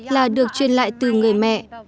là được truyền lại từ người mẹ